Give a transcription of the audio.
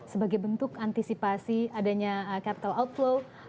sebagai bentuk antisipasi adanya capital outflow